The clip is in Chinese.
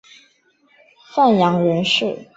范阳人氏。